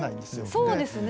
そうですね。